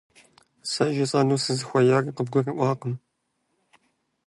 Сэ жысӏэну сызыхуеяр къыбгурыӏуакъым.